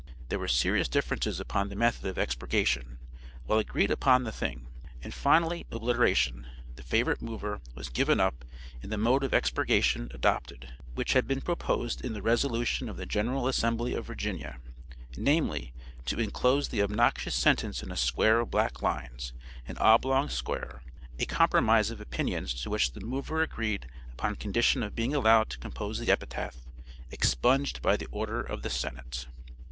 There were serious differences upon the method of expurgation, while agreed upon the thing; and finally obliteration, the favorite mover, was given up and the mode of expurgation adopted which had been proposed in the resolution of the general assembly of Virginia, namely, to inclose the obnoxious sentence in a square of black lines an oblong square, a compromise of opinions to which the mover agreed upon condition of being allowed to compose the epitaph, "Expunged by the order of the senate."